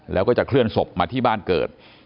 แล้วก็จะเคลื่อนศพมาที่บ้านเกิด